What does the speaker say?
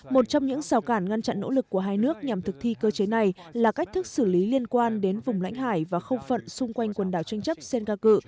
một trong những rào cản ngăn chặn nỗ lực của hai nước nhằm thực thi cơ chế này là cách thức xử lý liên quan đến vùng lãnh hải và không phận xung quanh quần đảo tranh chấp senka cu